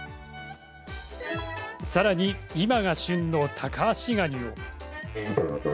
さらに今が旬のタカアシガニを